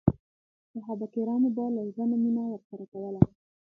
صحابه کرامو به له زړه نه مینه ورسره کوله.